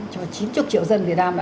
cho chín chục triệu dân việt nam